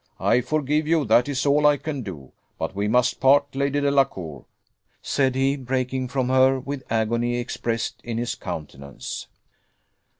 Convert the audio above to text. I forgive you, that is all I can do: but we must part, Lady Delacour!" said he, breaking from her with agony expressed in his countenance.